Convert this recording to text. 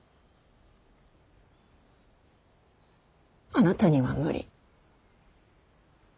あなたには無理。